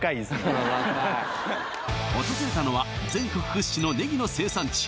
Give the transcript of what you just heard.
うん若い訪れたのは全国屈指のねぎの生産地